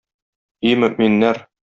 И мөэминнәр!